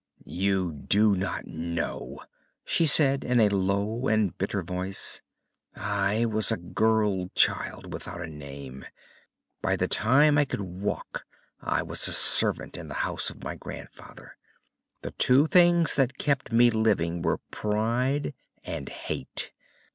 "You do not know," she said, in a low and bitter voice. "I was a girl child, without a name. By the time I could walk, I was a servant in the house of my grandfather. The two things that kept me living were pride and hate.